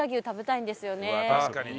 確かにね。